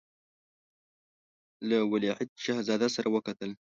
له ولیعهد شهزاده سره وکتل.